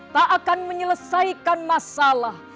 tak akan menyelesaikan masalah